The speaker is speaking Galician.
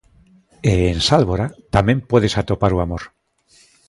E en Sálvora, tamén podes atopar o amor.